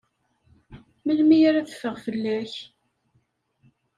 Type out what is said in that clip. Melmi ara teffeɣ fell-ak?